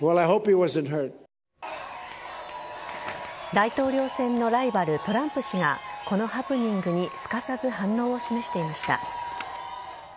大統領選のライバルトランプ氏がこのハプニングにすかさず反応を示していました。